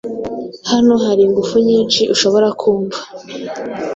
Hano hari ingufu nyinshi ushobora kumva